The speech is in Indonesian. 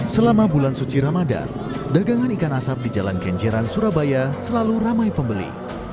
selama bulan suci ramadan dagangan ikan asap di jalan kenjeran surabaya selalu ramai pembeli